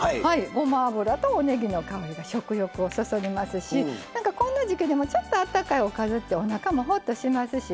ごま油とおねぎの香りが食欲をそそりますしこんな時季でもちょっとあったかいおかずっておなかもほっとしますしね。